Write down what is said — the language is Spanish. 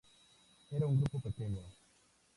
Era un grupo pequeño.